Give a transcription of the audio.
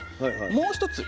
もう一つ